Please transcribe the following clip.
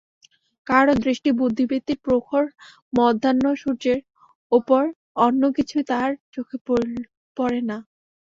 কাহারও দৃষ্টি বুদ্ধিবৃত্তির প্রখর মধ্যাহ্নসূর্যের উপর, অন্য কিছুই তাঁহার চোখে পড়ে না।